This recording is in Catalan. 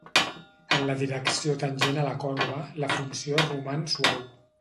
En la direcció tangent a la corba, la funció roman suau.